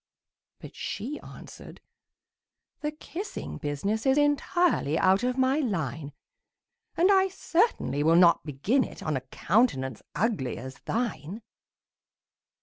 But she answered, "The kissing business Is entirely out of my line; And I certainly will not begin it On a countenance ugly as thine!"